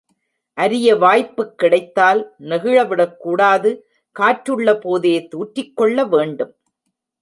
அரிய வாய்ப்புக் கிடைத்தால் நெகிழவிடக்கூடாது காற்றுள்ள போதே தூற்றிக்கொள்ள வேண்டும்.